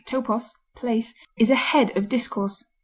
topos, place) is a head of discourse.